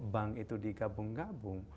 bank itu digabung gabung